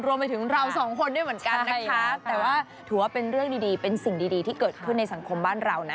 รวมไปถึงเราสองคนด้วยเหมือนกันนะคะแต่ว่าถือว่าเป็นเรื่องดีดีเป็นสิ่งดีที่เกิดขึ้นในสังคมบ้านเรานะ